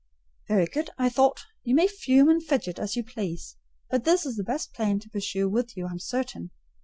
"Very good," I thought; "you may fume and fidget as you please: but this is the best plan to pursue with you, I am certain.